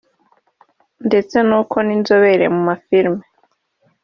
ndetse n’uko inzobera mu mafilimi